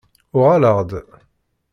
Uɣaleɣ-d.